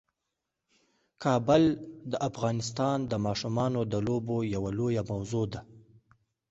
کابل د افغانستان د ماشومانو د لوبو یوه لویه موضوع ده.